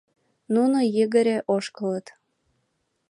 Нуно йыгыре ошкылыт.